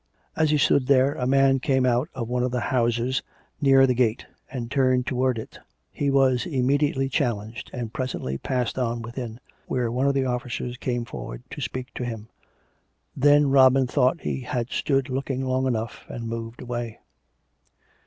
As he stood there, a man came out of one of the houses near the gate, and turned towards it: he was immediately challenged, and presently passed on within, where one of the officers came forward to speak to him. Then Robin thought he had stood looking long enough, and moved away.